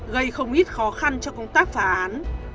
gây không ít khó khăn cho công tác phá án